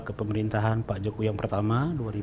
kepemerintahan pak jokowi yang pertama